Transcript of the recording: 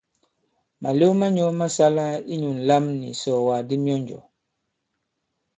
Màlew ma nyɔ̄ ma sāla inyū ǹlam nì ìsɔ̀ɔ̀wàk di myɔnjɔ̀.